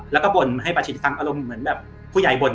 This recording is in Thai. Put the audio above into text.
แล้วก็บ่นให้ปาชินทรัพย์อารมณ์เหมือนผู้ใหญ่บ่น